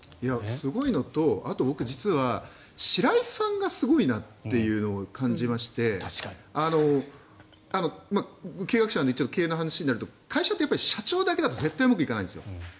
すごいのとあと僕、実は白井さんがすごいなというのを感じまして経営学者なので経営の話になると会社って社長だけでは絶対うまくいかないんです。